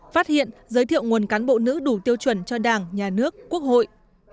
phát hiện giới thiệu nguồn cán bộ nữ đủ tiêu chuẩn cho đảng nhà nước quốc hội